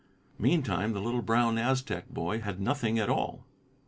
Meantime, the little brown Aztec boy had done nothing at all.